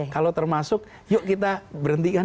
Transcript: kalau termasuk yuk kita berhentikan